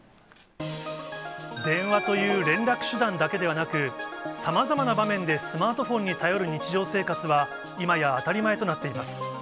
電話という連絡手段だけではなく、さまざまな場面でスマートフォンに頼る日常生活は、今や当たり前となっています。